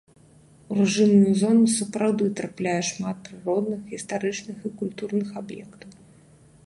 У рэжымную зону сапраўды трапляе шмат прыродных, гістарычных і культурных аб'ектаў.